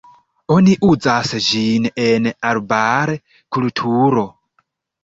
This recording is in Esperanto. Oni uzas ĝin en arbar-kulturo.